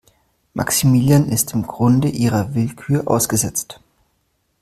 Maximilian ist im Grunde ihrer Willkür ausgesetzt.